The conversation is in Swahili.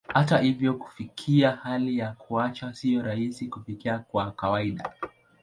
Hata hivyo, kufikia hali ya kuacha sio rahisi kufikia kwa kawaida.